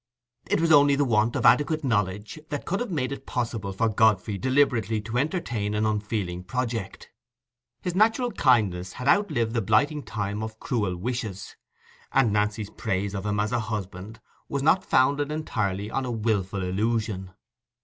It was only the want of adequate knowledge that could have made it possible for Godfrey deliberately to entertain an unfeeling project: his natural kindness had outlived that blighting time of cruel wishes, and Nancy's praise of him as a husband was not founded entirely on a wilful illusion.